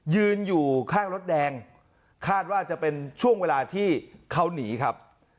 ยืนอยู่ข้างรถแดงคาดว่าจะเป็นช่วงเวลาที่เขาหนีครับ